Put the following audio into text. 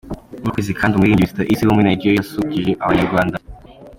Muri uko kwezi kandi umuririmbyi Mr Eazi wo muri Nigeria yasusurukije Abanyarwanda.